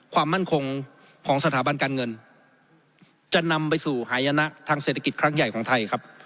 ความมั่นคงของสถาบันการเงินจะนำไปสู่หายนะทางเศรษฐกิจครั้งใหญ่ของไทยครับ